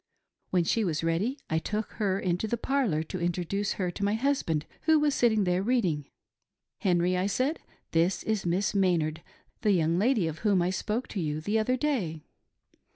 When she was ready, I took her into the parlor to introduce her to my husband who was sitting there reading. Henry, I said, this is Miss Maynard — the young lady of whom I spoke to you the other day.